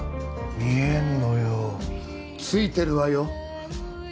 見えんのよついてるわよ